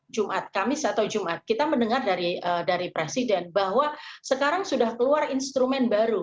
jumat kamis atau jumat kita mendengar dari presiden bahwa sekarang sudah keluar instrumen baru